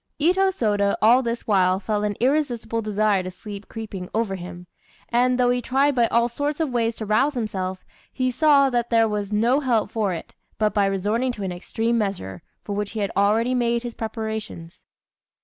Itô Sôda all this while felt an irresistible desire to sleep creeping over him, and, though he tried by all sorts of ways to rouse himself, he saw that there was no help for it, but by resorting to an extreme measure, for which he had already made his preparations.